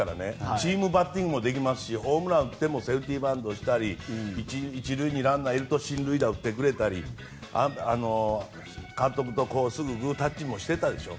チームバッティングもできますしホームランを打ったあとにセーフティーバントしたり１塁にランナーがいると進塁打を打ってくれたり監督とグータッチもしてたでしょ。